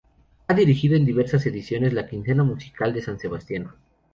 Ha dirigido en diversas ediciones la Quincena Musical de San Sebastián.